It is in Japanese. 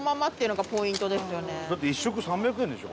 だって１食３００円でしょ？